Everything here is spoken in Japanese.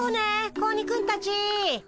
子鬼くんたち。